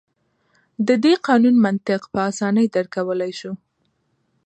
د دې قانون منطق په اسانۍ درک کولای شو.